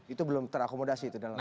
itu belum terakomodasi itu dalam ipt itu